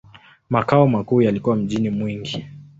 Makao makuu yalikuwa mjini Mwingi.